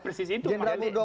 presis itu pak